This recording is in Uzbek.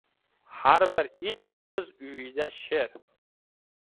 • Har bir it o‘z uyida ― sher.